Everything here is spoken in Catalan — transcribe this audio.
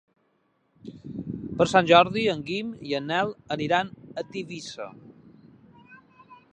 Per Sant Jordi en Guim i en Nel aniran a Tivissa.